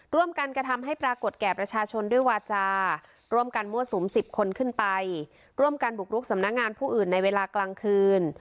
ร่วมกันกระทำให้ปรากฏแก่ประชาชนด้วยวาจาร่วมกันมั่วสุม๑๐คนขึ้นไปร่วมกันบุกรุกสำนักงานผู้อื่นในเวลากลางคืน